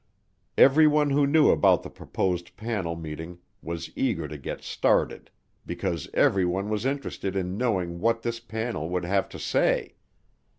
Everyone who knew about the proposed panel meeting was eager to get started because everyone was interested in knowing what this panel would have to say.